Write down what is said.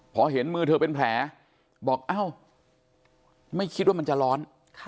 พอเห็นมือเธอเป็นแผลบอกเอ้าไม่คิดว่ามันจะร้อน